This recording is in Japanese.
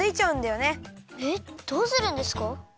えっどうするんですか？